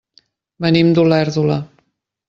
Venim d'Olèrdola.